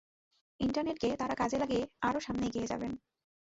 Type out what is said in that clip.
ইন্টারনেটকে তাঁরা কাজে লাগিয়ে আরও সামনে এগিয়ে যাবেন।